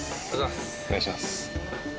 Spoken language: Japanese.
お願いします。